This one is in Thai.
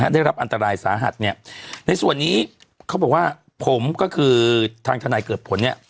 ได้รับอันตรายสาหัสเนี่ยในส่วนนี้เขาบอกว่าผมก็คือทางทนายเกิดผลเนี่ย